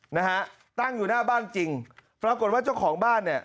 นะฮะตั้งอยู่หน้าบ้านจริงปรากฏว่าเจ้าของบ้านเนี่ย